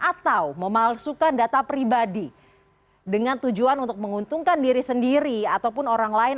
atau memalsukan data pribadi dengan tujuan untuk menguntungkan diri sendiri ataupun orang lain